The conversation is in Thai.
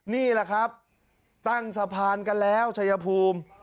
นี่แหละครับตั้งสะพานกันแล้วชัยภูมิ